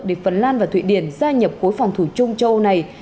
để phần lan và thụy điển gia nhập khối phòng thủ chung châu âu này